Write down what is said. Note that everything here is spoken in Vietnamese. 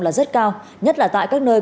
là rất cao nhất là tại các nơi